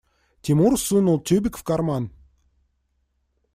Тимур сунул тюбик в карман.